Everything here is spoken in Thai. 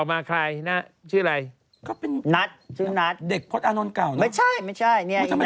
ไม่มีอะไรเลยก็เป็นน้องที่รู้จักกันมา